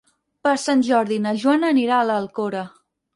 Per Sant Jordi na Joana anirà a l'Alcora.